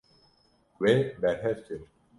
Wê berhev kir.